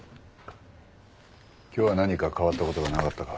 今日は何か変わったことはなかったか？